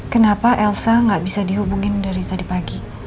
kenapa elsa nggak bisa dihubungin dari tadi pagi